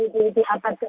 di abad ke sembilan belas